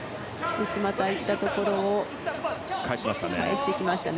内股にいったところを返していきましたね。